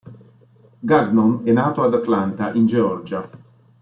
Gagnon è nato ad Atlanta, in Georgia.